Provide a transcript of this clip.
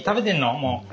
もう。